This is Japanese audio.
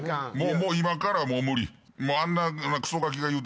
もう今から無理。